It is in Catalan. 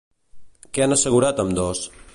Què han assegurat ambdós?